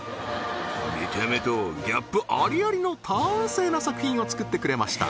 見た目とギャップありありの丹精な作品を作ってくれました